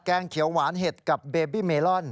งเขียวหวานเห็ดกับเบบี้เมลอน